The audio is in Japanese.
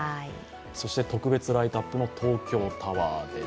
そして特別ライトアップの東京タワーです。